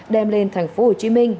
đem lên thành phố hồ chí minh